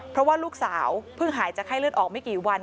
เพราะว่าลูกสาวเพิ่งหายจากไข้เลือดออกไม่กี่วัน